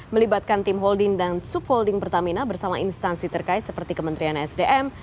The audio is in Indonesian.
melibatkan tim holding dan subholding pertamina bersama instansi terkait seperti kementerian sdm